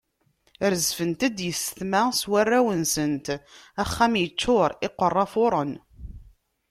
Rezfent-d yessetma s warraw-nsent, axxam yeččur, iqerra fuṛen.